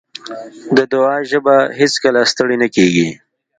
د دعا ژبه هېڅکله ستړې نه کېږي.